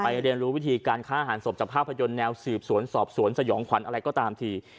เรียนรู้วิธีการฆ่าอาหารศพจากภาพยนตร์แนวสืบสวนสอบสวนสยองขวัญอะไรก็ตามที